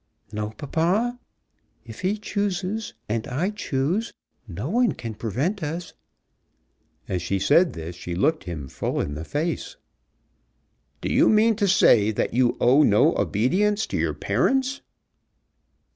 "No, papa. If he choose, and I choose, no one can prevent us." As she said this she looked him full in the face. "Do you mean to say that you owe no obedience to your parents?"